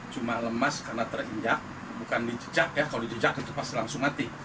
cuma lemas karena terinjak bukan dijejak ya kalau dijejak itu pasti langsung mati